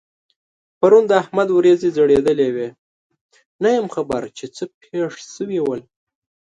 پرون د احمد وريځې ځړېدلې وې؛ نه یم خبر چې څه پېښ شوي ول؟